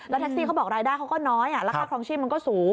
แท็กซี่เขาบอกรายได้เขาก็น้อยราคาครองชีพมันก็สูง